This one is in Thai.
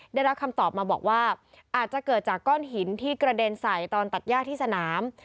ได้รับคำตอบมาบอกว่าอาจจะเกิดจากก้อนหินที่กระเด็นใส่ตอนตัดย่าที่สนาม